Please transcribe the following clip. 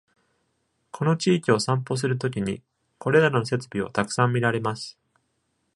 この地域を散歩する時にこれらの設備をたくさん見られます。